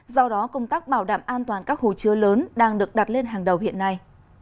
do đó công tác bảo đảm an toàn các hồ chứa lớn đang được đặt lên hàng đầu hiện nay